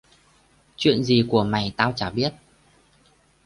chuyện gì của mày tao chả biết